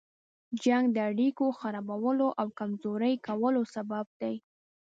جنګ د اړيکو خرابولو او کمزوري کولو سبب دی.